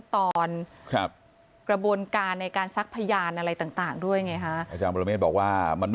ถ้าดูคลิปมาอย่าถามขาด